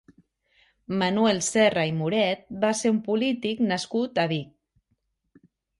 Manuel Serra i Moret va ser un polític nascut a Vic.